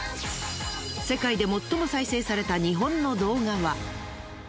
世界で最も再生された日本の動画は。